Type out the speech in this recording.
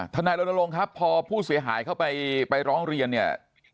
นายรณรงค์ครับพอผู้เสียหายเข้าไปร้องเรียนเนี่ย